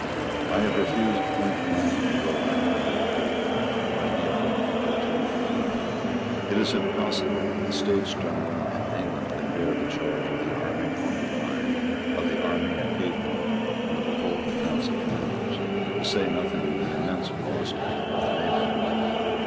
"I have refused point blank," he wrote on another occasion, when he had been importuned for money, "it is impossible that the States General and England can bear the charge of the army on the Rhine, of the army in Piedmont, and of the whole defence of Flanders, to say nothing of the immense cost of the naval war.